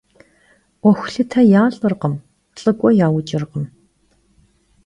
'Uexuxute yalh'ırkhım, lh'ık'ue yauç'ırkhım.